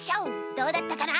どうだったかな？